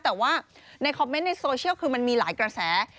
แต่ว่าในคอมเมนต์ในโซเชียลคือมันมีหลายกระแส